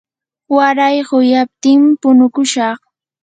waray quyatim punukushaq.